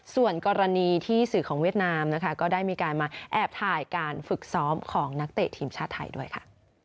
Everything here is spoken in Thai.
ส่วนกรณีที่สื่อของเวียดนามนะคะก็ได้มีการมาแอบถ่ายการฝึกซ้อมของนักเตะทีมชาติไทยด้วยค่ะ